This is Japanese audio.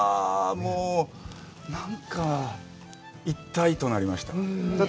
もうなんか、一体となりました。